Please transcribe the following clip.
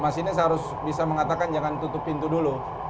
masinis harus bisa mengatakan jangan tutup pintu dulu